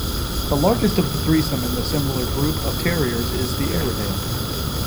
The largest of the threesome in this similar group of Terriers is the Airedale.